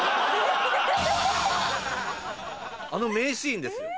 あの名シーンですよ。